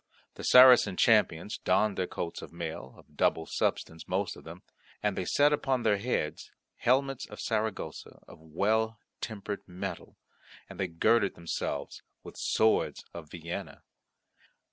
The Saracen champions donned their coats of mail, of double substance most of them, and they set upon their heads helmets of Saragossa of well tempered metal, and they girded themselves with swords of Vienna.